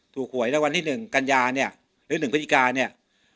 ถูกหวยในวันที่หนึ่งกัญญาเนี่ยหรือหนึ่งพฤติกาเนี่ย